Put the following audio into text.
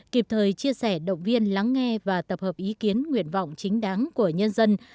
kịp thời chia sẻ động viên lắng nghe và tập hợp ý kiến nguyện vọng chính đáng của nhân dân